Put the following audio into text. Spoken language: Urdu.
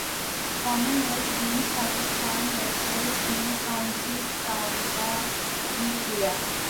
کامن ویلتھ گیمزپاکستانی ریسلر نے کانسی کا تمغہ جیت لیا